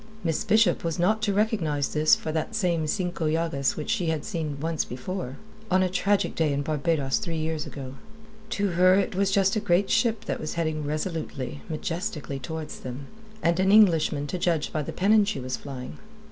Miss Bishop was not to recognize this for that same Cinco Llagas which she had seen once before on a tragic day in Barbados three years ago. To her it was just a great ship that was heading resolutely, majestically, towards them, and an Englishman to judge by the pennon she was flying.